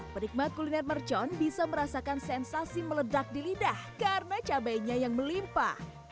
perikmat kuliner mercon bisa merasakan sensasi meledak di lidah karena cabainya yang melimpa